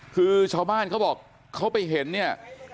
คือชาวบ้านเขาบอกเขาไปเห็นเนี่ย